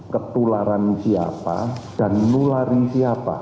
ketularan siapa dan nulari siapa